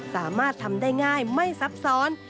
สามารถทำได้ง่ายไม่ซับซ้อน